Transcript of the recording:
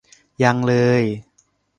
ยังเลย